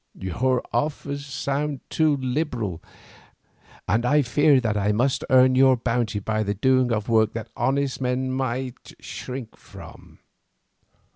Your offers sound too liberal, and I fear that I must earn your bounty by the doing of work that honest men might shrink from."